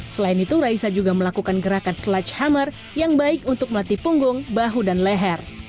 selain itu raisa juga melakukan gerakan slug hammer yang baik untuk melatih punggung bahu dan leher